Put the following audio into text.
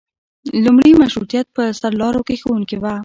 لومړي مشروطیت په سرلارو کې ښوونکي وو.